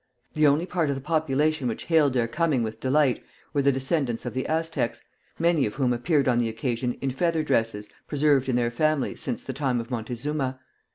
The only part of the population which hailed their coming with delight were the descendants of the Aztecs, many of whom appeared on the occasion in feather dresses preserved in their families since the time of Montezuma.